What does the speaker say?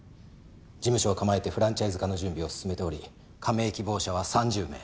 事務所を構えてフランチャイズ化の準備を進めており加盟希望者は３０名。